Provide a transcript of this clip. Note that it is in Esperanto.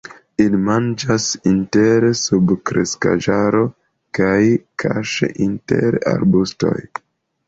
Ili manĝas inter subkreskaĵaro kaj kaŝe inter arbustoj.